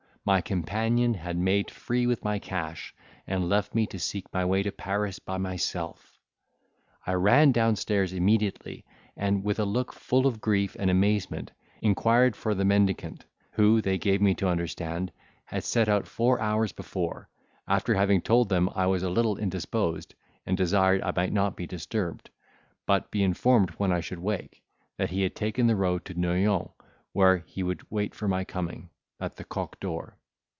My companion had made free with my cash, and left me to seek my way to Paris by myself! I ran down stairs immediately; and, with a look full of grief and amazement, inquired for the mendicant, who, they gave me to understand, had set out four hours before, after having told them I was a little indisposed, and desired I might not be disturbed, but be informed when I should wake, that he had taken the road to Noyons, where he would wait for my coming, at the Coq d'Or.